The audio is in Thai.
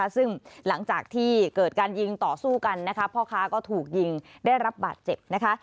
ซึ่งหลังจากที่เกิดการยิงต่อสู้กันนะคะพ่อค้าก็ถูกยิงได้รับบาดเจ็บนะคะ